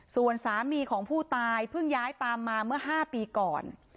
ส่วนสามีของผู้ตายเพิ่งย้ายตามมาเมื่อ๕ปีก่อน